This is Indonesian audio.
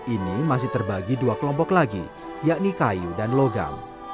ini masih terbagi dua kelompok lagi yakni kayu dan logam